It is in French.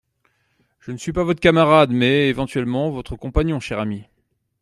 Je ne suis pas votre camarade mais, éventuellement, votre compagnon, cher ami.